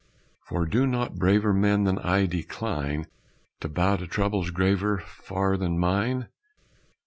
For do not braver men than I decline To bow to troubles graver, far, than mine?